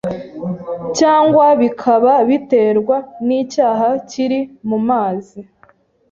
cyangwa bikaba biterwa n'icyaba kiri mu mazi